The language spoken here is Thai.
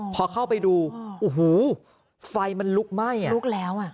พอเข้าไปดูโอ้โหไฟมันลุกไหม้อ่ะลุกแล้วอ่ะ